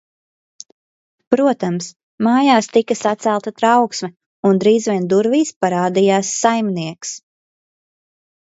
Protams, mājās tika sacelta trauksme, un drīz vien durvīs parādījās saimnieks.